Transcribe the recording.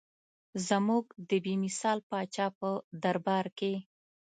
زموږ د بې مثال پاچا په دربار کې.